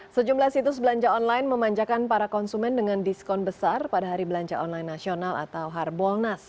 sejumlah situs belanja online memanjakan para konsumen dengan diskon besar pada hari belanja online nasional atau harbolnas